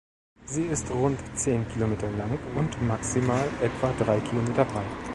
Sie ist rund zehn Kilometer lang und maximal etwa drei Kilometer breit.